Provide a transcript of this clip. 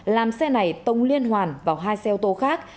làm xe này tông liên hoàn vào hai xe ô tô khác